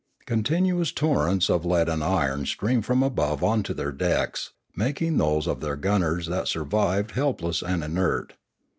Continuous torrents of lead and iron streamed from above onto their decks, making those of their gunners that survived helpless and inert.